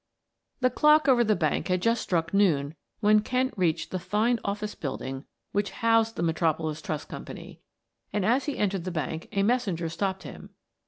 The clock over the bank had just struck noon when Kent reached the fine office building which housed the Metropolis Trust Company, and as he entered the bank, a messenger stopped him.